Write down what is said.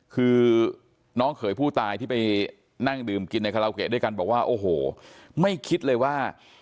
คือน้องเขยผู้ตายที่ไปนั่งดื่มกินในคาราโอเกะด้วยกันบอกว่าโอ้โหไม่คิดเลยว่า